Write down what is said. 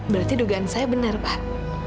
berarti dugaan saya benar pak